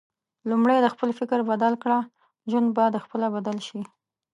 لومړی د خپل فکر بدل کړه ، ژوند به د خپله بدل شي